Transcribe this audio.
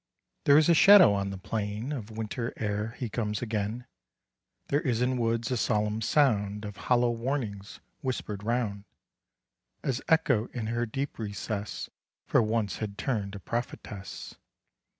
There is a shadow on the plain Of Winter ere he comes again, There is in woods a solemn sound Of hollow warnings whisper'd round, As Echo in her deep recess For once had turn'd a prophetess.